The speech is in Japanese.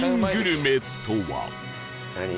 何？